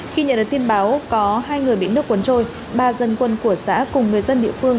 khi nhận được tin báo có hai người bị nước cuốn trôi ba dân quân của xã cùng người dân địa phương